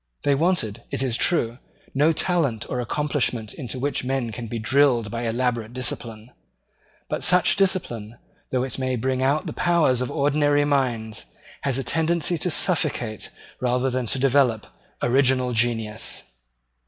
They wanted, it is true, no talent or accomplishment into which men can be drilled by elaborate discipline; but such discipline, though it may bring out the powers of ordinary minds, has a tendency to suffocate, rather than to develop, original genius.